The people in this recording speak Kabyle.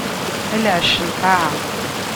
A lɛecc n lqaɛa!